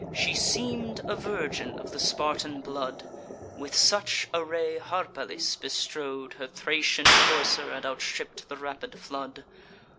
She seem'd a virgin of the Spartan blood: With such array Harpalyce bestrode Her Thracian courser and outstripp'd the rapid flood.